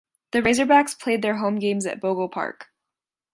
The Razorbacks played their home games at Bogle Park.